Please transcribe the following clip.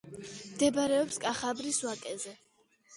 მდებარეობს კახაბრის ვაკეზე.